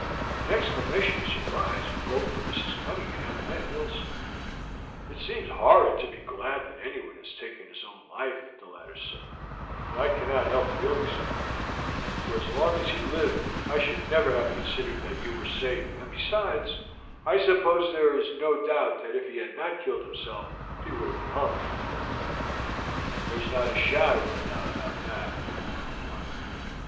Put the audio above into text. An exclamation of surprise broke from Mrs. Cunningham and Millicent. "It seems horrid to be glad that anyone has taken his own life," the latter said; "but I cannot help feeling so, for as long as he lived I should never have considered that you were safe, and besides, I suppose there is no doubt that if he had not killed himself he would have been hung." "There is not a shadow of doubt about that," Mark replied.